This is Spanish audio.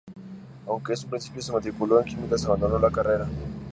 Aunque en un principio se matriculó en Químicas abandonó la carrera.